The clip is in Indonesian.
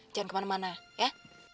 jangan kemana mana ya